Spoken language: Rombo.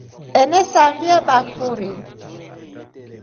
Enasambia bakuri.